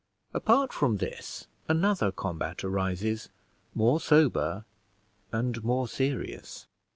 Apart from this another combat arises, more sober and more serious.